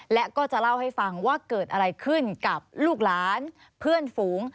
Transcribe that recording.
และก็จะเล่าให้ฟังว่าเกิดอะไรขึ้นกับลูกหลานเพื่อนฝูง